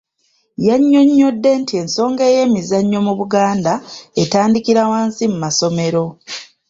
Yannyonnyodde nti ensonga ey'emizannyo mu Buganda, etandikira wansi mu masomero.